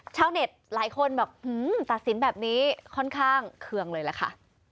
ชาวเน็ตหลายคนแบบตัดสินแบบนี้ค่อนข้างเคืองเลยล่ะค่ะ